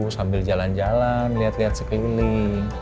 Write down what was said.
sambil jalan jalan lihat lihat sekeliling